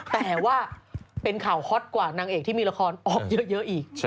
แต่ว่าเป็นข่าวฮอตกว่านางเอกที่มีละครออกเยอะอีก